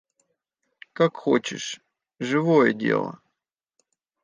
Как хочешь, живое дело!